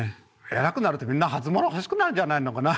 偉くなるとみんな初物欲しくなるんじゃないのかな？